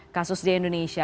kasus di indonesia